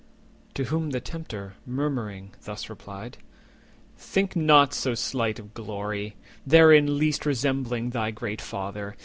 To whom the Tempter, murmuring, thus replied:— "Think not so slight of glory, therein least Resembling thy great Father.